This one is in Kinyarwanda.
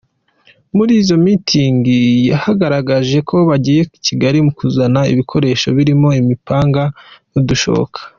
Muri izo mitingi, yagaragaje ko bagiye i Kigali kuzana ibikoresho birimo imipanga n’udushoka.